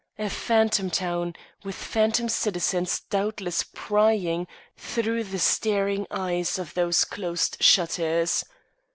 A phantom town, with phantom citizens doubtless prying through the staring eyes of those closed shutters.